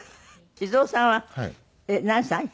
静夫さんは何歳？